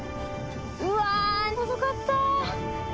うわ遅かった。